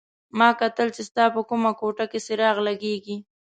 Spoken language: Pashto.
ما کتل چې ستا په کومه کوټه کې څراغ لګېږي.